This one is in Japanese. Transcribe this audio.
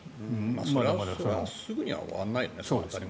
それはすぐには終わらないよね。